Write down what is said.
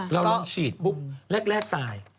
เราลองฉีดปุ๊บแรกตาย